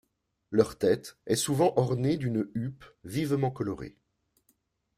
Leur tête est souvent ornée d'une huppe vivement colorée.